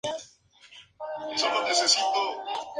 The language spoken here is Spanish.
Otros indicios señalan a que algunos son textos anteriores a Cristo.